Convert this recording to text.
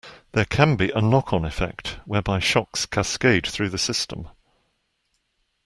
There can be a knock-on effect, whereby shocks cascade through the system.